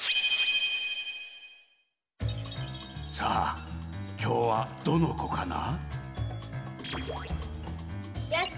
さあきょうはどのこかな？